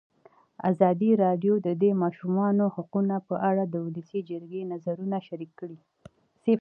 ازادي راډیو د د ماشومانو حقونه په اړه د ولسي جرګې نظرونه شریک کړي.